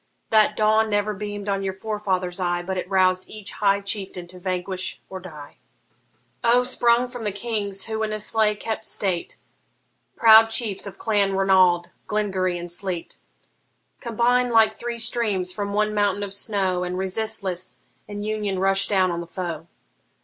That dawn never beam'd on your forefathers' eye, But it roused each high chieftain to vanquish or die. O, sprung from the Kings who in Islay kept state, Proud chiefs of Clan Ranald, Glengarry, and Sleat! Combine like three streams from one mountain of snow, And resistless in union rush down on the foe!